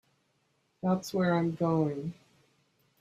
That's where I'm going.